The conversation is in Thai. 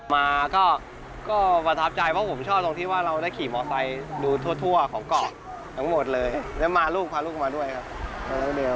มาก็ประทับใจเพราะผมชอบตรงที่ว่าเราได้ขี่มอไซค์ดูทั่วของเกาะทั้งหมดเลยแล้วมาลูกพาลูกมาด้วยครับ